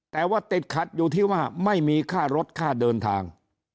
แต่ว่าติดขัดอยู่ที่ว่าไม่มีค่ารถค่าเดินทาง